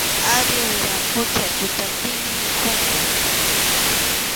Arí, wiraqucha, tutantinmi mikhunku.